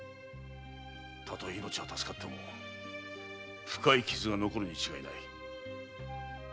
たとえ命は助かっても深い傷が残るに違いない。